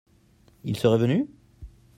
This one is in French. Ils seraient venus ?